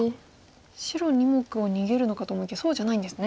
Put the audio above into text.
白２目を逃げるのかと思いきやそうじゃないんですね。